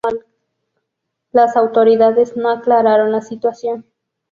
Las autoridades no aclararon la situación.